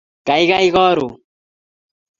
Kaigai karoon